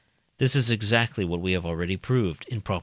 This is exactly what we have already proved (in Prop.